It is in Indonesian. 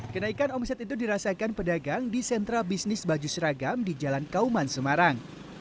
kenaikan omset itu dirasakan pedagang di sentra bisnis baju seragam di jalan kauman semarang